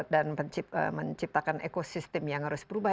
dan menciptakan ekosistem yang harus berubah